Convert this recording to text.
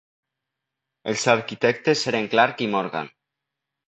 Els arquitectes eren Clark i Morgan.